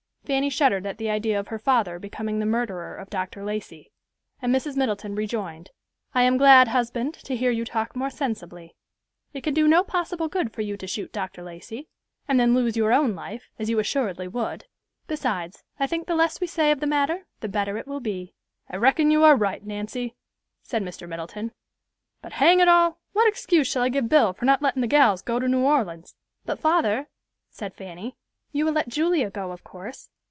Fanny shuddered at the idea of her father becoming the murderer of Dr. Lacey, and Mrs. Middleton rejoined, "I am glad, husband, to hear you talk more sensibly. It can do no possible good for you to shoot Dr. Lacey, and then lose your own life, as you assuredly would; besides, I think the less we say of the matter, the better it will be." "I reckon you are right, Nancy," said Mr. Middleton; "but hang it all, what excuse shall I give Bill for not lettin' the gals go to New Orleans?" "But, father," said Fanny, "you will let Julia go, of course.